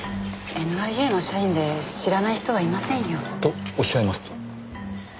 ＮＩＡの社員で知らない人はいませんよ。とおっしゃいますと？